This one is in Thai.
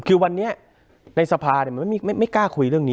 คุณลำซีมัน